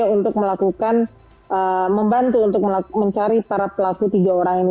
jadi dia untuk melakukan membantu untuk mencari para pelaku tiga orang ini